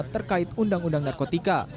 terkait undang undang narkotika